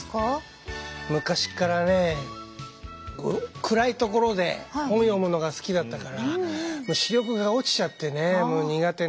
昔っからね暗い所で本読むのが好きだったから視力が落ちちゃってねもう苦手になったのよ。